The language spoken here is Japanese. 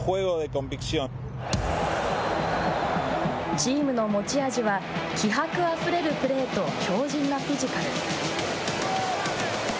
チームの持ち味は、気迫あふれるプレーと強じんなフィジカル。